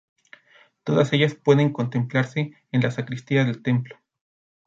Todas ellas pueden contemplarse en la sacristía del templo.